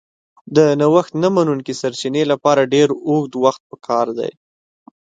د نوښت نه منونکي سرچینې لپاره ډېر اوږد وخت پکار دی.